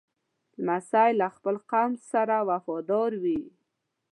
لمسی له خپل قوم سره وفادار وي.